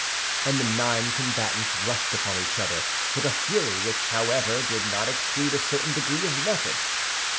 And the nine combatants rushed upon each other with a fury which however did not exclude a certain degree of method.